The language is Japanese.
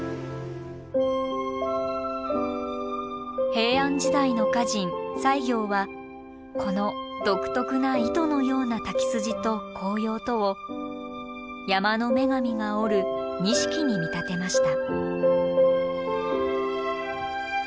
平安時代の歌人西行はこの独特な糸のような滝筋と紅葉とを山の女神が織る錦に見立てました。